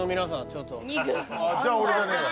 じゃあ俺じゃねえわ。